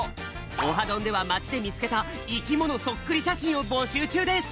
「オハどん！」ではまちでみつけたいきものそっくりしゃしんをぼしゅうちゅうです！